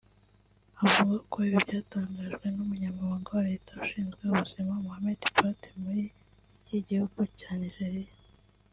avuga ko ibi byatangajwe n’umunyamabanga wa Leta ushinzwe ubuzima Muhammed Pate muri iki gihugu cya Nigeria